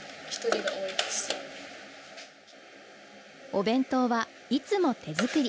お弁当はいつも手作り。